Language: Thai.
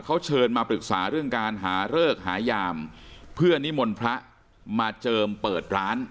เขาเชิญมาปรึกษาเรื่องการหาเลิกหายามเพื่อนิมนต์พระมาเจิมเปิดร้าน